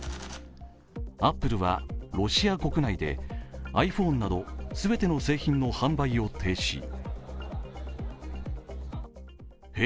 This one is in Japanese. アップルは、ロシア国内でｉＰｈｏｎｅなど全ての製品の販売を停止。